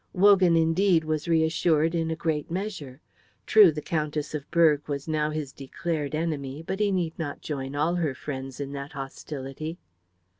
Wogan, indeed, was reassured in a great measure. True, the Countess of Berg was now his declared enemy, but he need not join all her friends in that hostility.